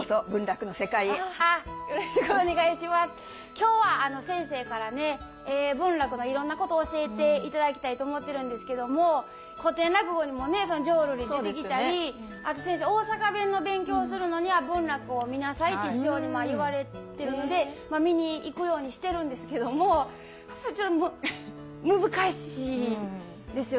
今日は先生からね文楽のいろんなことを教えていただきたいと思ってるんですけども古典落語にもね浄瑠璃出てきたりあと先生大阪弁の勉強するのには文楽を見なさいって師匠に言われてるので見に行くようにしてるんですけどもやっぱりちょっと難しいですよね。